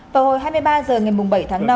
vào hồi hai mươi ba h ngày bảy tháng năm